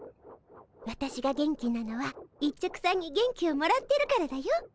私が元気なのは一直さんに元気をもらってるからだよ。